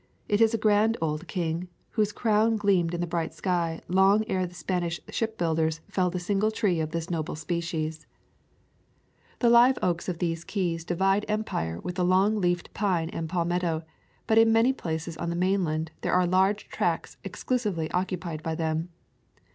It is a grand old king, whose crown gleamed in the bright sky long ere the Spanish shipbuilders felled a single tree of this noble species. 1 Of the original journal. [ 130 ] Cedar Keys The live oaks of these keys divide empire with the long leafed pine and palmetto, but in many places on the mainland there are large tracts exclusively occupied by them.